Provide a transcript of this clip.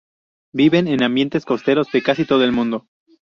Viven en ambientes costeros de casi todo el mundo.